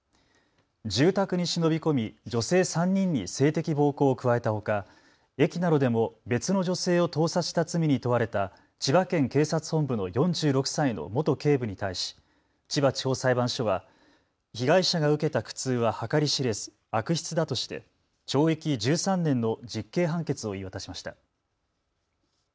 住宅に忍び込み女性３人に性的暴行を加えたほか駅などでも別の女性を盗撮した罪に問われた千葉県警察本部の４６歳の元警部に対し千葉地方裁判所は被害者が受けた苦痛は計り知れず悪質だとして懲役１３年の実刑判決を言い渡しました。